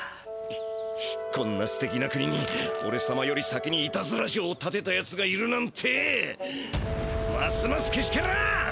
こんなすてきな国におれさまより先にいたずら城をたてたやつがいるなんてますますけしからん！